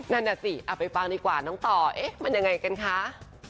นั่นน่ะสิไปฟังดีกว่าน้องต่อเอ๊ะมันยังไงกันคะ